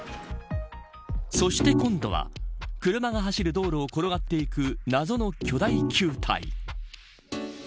そして今度は車が走る道路を転がっていく謎の巨大球体。